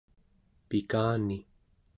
pikani